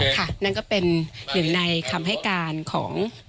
นั่นก็เป็นหนึ่งในคำให้การของ